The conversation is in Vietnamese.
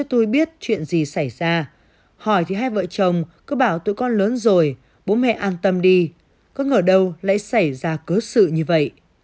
ông n không biết chuyện gì xảy ra hỏi thì hai vợ chồng cứ bảo tụi con lớn rồi bố mẹ an tâm đi có ngờ đâu lại xảy ra cớ sự như vậy